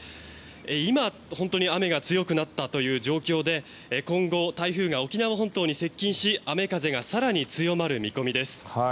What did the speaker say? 今、本当に雨が強くなったという状況で今後、台風が沖縄本島に接近し雨風が更に強まる見込みです。